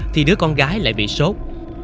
thì đứa con gái lại bị sốt